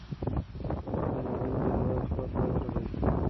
معلم غني د هغه خواته ورغی.